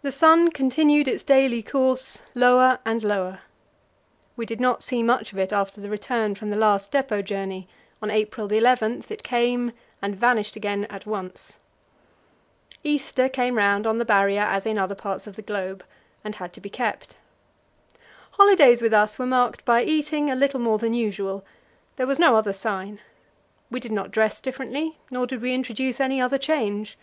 The sun continued its daily course, lower and lower. We did not see much of it after the return from the last depot journey; on April 11 it came, and vanished again at once. Easter came round on the Barrier, as in other parts of the globe, and had to be kept. Holidays with us were marked by eating a little more than usual; there was no other sign. We did not dress differently, nor did we introduce any other change.